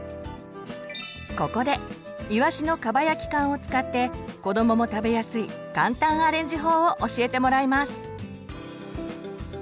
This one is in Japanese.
ここでいわしのかば焼き缶を使って子どもも食べやすい簡単アレンジ法を教えてもらいます。